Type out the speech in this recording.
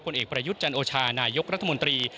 เอกประยุทธ์จันโอชานายกรัฐมนตรี